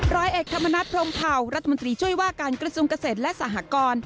ร้อยเอกธรรมนัฐพรมเผารัฐมนตรีช่วยว่าการกระทรวงเกษตรและสหกร